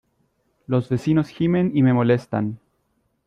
Los vecinos gimen y me molestan.